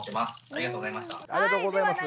ありがとうございます。